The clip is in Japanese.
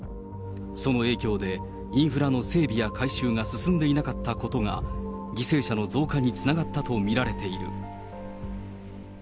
その影響で、インフラの整備や改修が進んでいなかったことが、犠牲者の増加につながったと見られている。